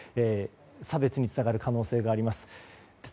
差別につながる可能性があります。